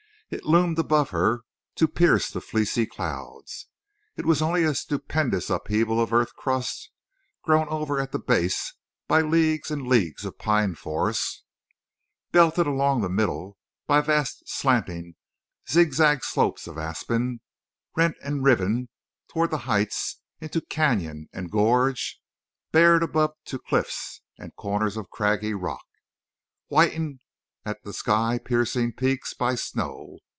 It loomed above her to pierce the fleecy clouds. It was only a stupendous upheaval of earth crust, grown over at the base by leagues and leagues of pine forest, belted along the middle by vast slanting zigzag slopes of aspen, rent and riven toward the heights into canyon and gorge, bared above to cliffs and corners of craggy rock, whitened at the sky piercing peaks by snow.